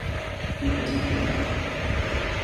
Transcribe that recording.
邊個襲警?